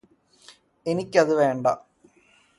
എനിക്കത് വേണ്ട